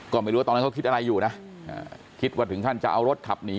ก็ไม่รู้ว่าตอนนั้นเขาคิดอะไรอยู่นะคิดว่าถึงขั้นจะเอารถขับหนี